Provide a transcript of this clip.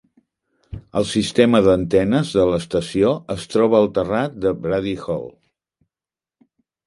El sistema d'antenes de l'estació es troba al terrat de Brady Hall.